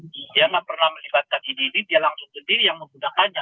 dia nggak pernah melibatkan idd dia langsung ke diri yang menggunakannya